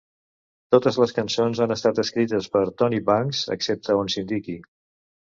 Totes les cançons han estat escrites per Tony Banks, excepte on s'indiqui.